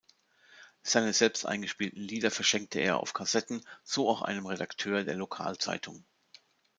Seine selbst eingespielten Lieder verschenkte er auf Kassetten, so auch einem Redakteur der Lokalzeitung.